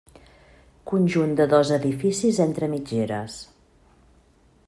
Conjunt de dos edificis entre mitgeres.